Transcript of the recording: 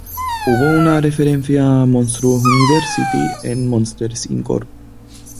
Hubo una referencia a "Monstruos University" en "Monsters, Inc.